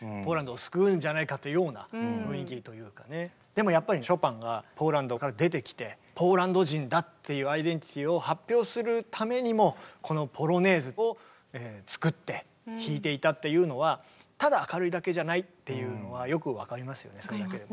まさしくでもやっぱりショパンがポーランドから出てきてポーランド人だっていうアイデンティティーを発表するためにもこの「ポロネーズ」を作って弾いていたっていうのはただ明るいだけじゃないっていうのはよく分かりますよね。